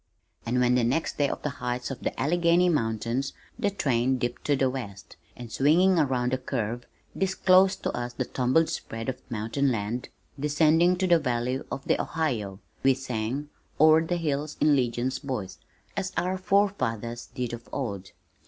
And when next day on the heights of the Alleghany mountains, the train dipped to the west, and swinging around a curve, disclosed to us the tumbled spread of mountain land descending to the valley of the Ohio, we sang "O'er the hills in legions, boys" as our forefathers did of old.